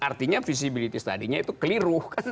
artinya visibility studies nya itu keliru